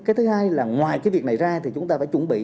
cái thứ hai là ngoài cái việc này ra thì chúng ta phải chuẩn bị